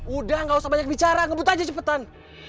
udah gak usah banyak bicara ngebut aja cepetan